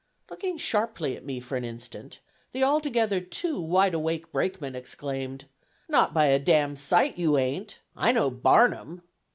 Looking sharply at me for an instant, the altogether too wide awake brakeman exclaimed: "Not by a d n sight you ain't! I know Barnum!"